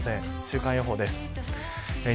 週間予報です。